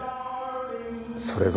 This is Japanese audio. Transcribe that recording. それが？